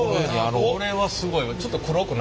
これはスゴいわ。